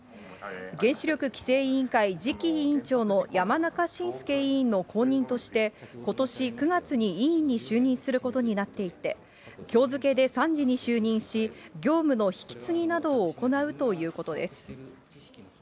原子力規制委員会次期委員長の山中伸介委員の後任として、ことし９月に委員に就任することになっていて、きょう付けで参事に就任し、業務の引き継ぎなどを行うということです。